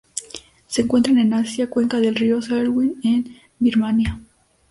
Se encuentran en Asia: cuenca del río Salween en Birmania.